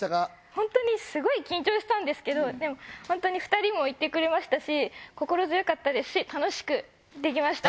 ホントにすごい緊張したんですけど２人もいてくれましたし心強かったですし楽しくできました。